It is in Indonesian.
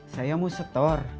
saya mau setol